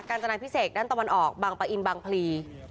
จนาพิเศษด้านตะวันออกบางปะอินบางพลี